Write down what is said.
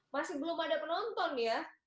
masih belum ada penonton ya